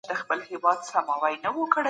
ټولنیزې اړیکې پالل روغتیا ته ګټه لري.